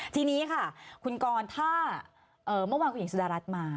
ทีนี้ค่ะคุณกรถ้าเมื่อวานคุณหญิงสุดารัฐมา